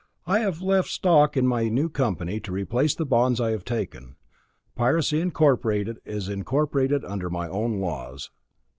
I have left stock in my new company to replace the bonds I have taken. Piracy Incorporated is incorporated under my own laws.